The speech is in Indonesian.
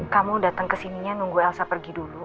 kamu datang kesininya nunggu elsa pergi dulu